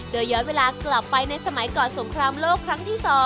โดยย้อนเวลากลับไปในสมัยก่อนสงครามโลกครั้งที่๒